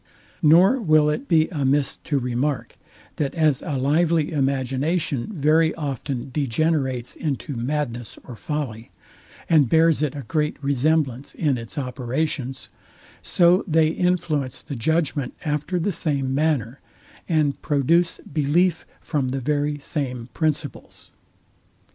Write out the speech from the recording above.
Nor will it be amiss to remark, that as a lively imagination very often degenerates into madness or folly, and bears it a great resemblance in its operations; so they influence the judgment after the same manner, and produce belief from the very same principles.